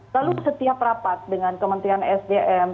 lalu setiap rapat dengan kementerian sdm